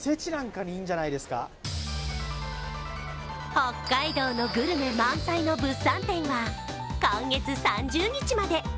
北海道のグルメ満載の物産展は今月３０日まで。